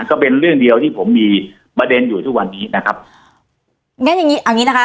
ก็เป็นเรื่องเดียวที่ผมมีประเด็นอยู่ทุกวันนี้นะครับงั้นอย่างงี้เอางี้นะคะ